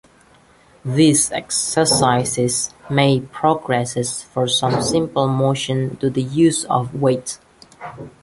These exercises may progress from simple motion to the use of weights.